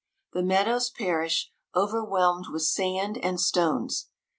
The meadows perish, over whelmed with sand and stones.